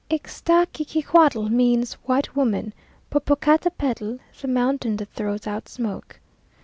Ixtaccihuatl means white woman; Popocatepetl the mountain that throws out smoke.